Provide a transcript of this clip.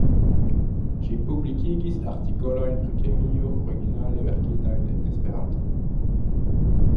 Ĝi publikigis artikolojn pri kemio originale verkitajn en Esperanto.